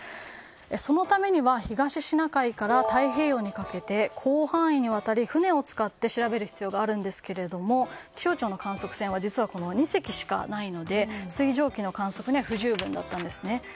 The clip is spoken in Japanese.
そのためには東シナ海から太平洋にかけて広範囲にわたり船を使って調べる必要があるんですが気象庁の観測船は実は２隻しかないので水蒸気の観測には不十分だったんですね。